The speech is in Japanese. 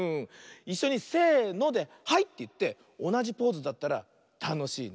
いっしょにせので「はい！」っていっておなじポーズだったらたのしいね。